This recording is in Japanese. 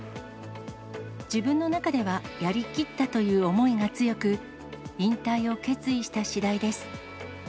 自分の中では、やりきったという思いが強く、引退を決意したしだいです。